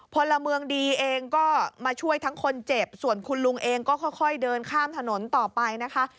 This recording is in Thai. พลเมืองดีเองก็มาช่วยทั้งคนเจ็บส่วนคุณลุงเองก็ค่อยเดินข้ามถนนต่อไปนะคะ